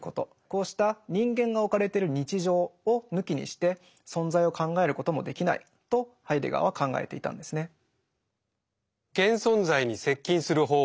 こうした人間が置かれてる日常を抜きにして存在を考えることもできないとハイデガーは考えていたんですね。